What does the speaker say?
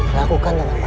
lakukan dengan baik ais